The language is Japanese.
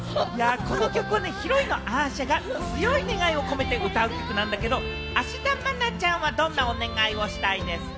この曲はヒロインのアーシャが強い願いを込めて歌う曲なんだけれども、芦田愛菜ちゃんはどんなお願いをしたいですか？